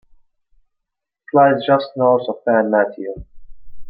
It lies just north of San Mateo.